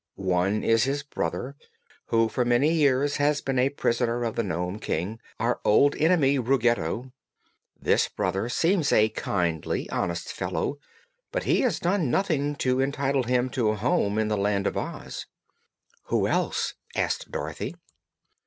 "One is his brother, who for many years has been a prisoner of the Nome King, our old enemy Ruggedo. This brother seems a kindly, honest fellow, but he has done nothing to entitle him to a home in the Land of Oz." "Who else?" asked Dorothy.